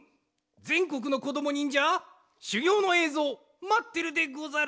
ぜんこくのこどもにんじゃしゅぎょうのえいぞうまってるでござる！